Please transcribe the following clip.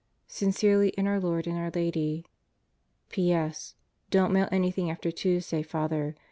Sincerely in our Lord and our Lady. ... P.S. Don't mail anything after Tuesday, Father.